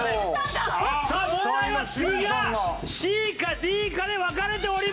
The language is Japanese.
さあ問題は次がＣかＤかで分かれております！